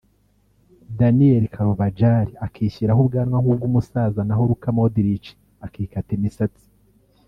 Daniel Carvajal akishyiraho ubwana nk’ubw’umusaza naho Luka Modric akikata imisatsi